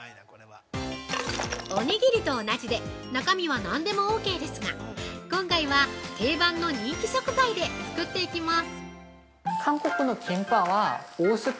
おにぎりと同じで中身は何でもオーケーですが今回は、定番人気の食材で作っていきます。